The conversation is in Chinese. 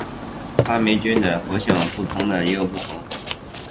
发酵酶的活性在不同的酵母菌株之间也会有不同。